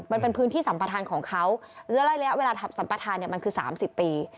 มันเป็นพื้นที่สัมปทานของเขาระยะเวลาทำสัมปทานเนี่ยมันคือ๓๐ปี